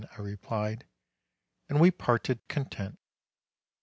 I replied. And we parted content.